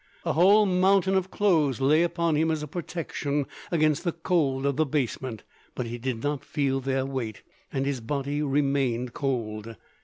A whole mountain of clothes lay upon him as a protection against the cold of the basement, but he did not feel their weight, and his body remained cold.